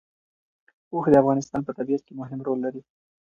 اوښ د افغانستان په طبیعت کې مهم رول لري.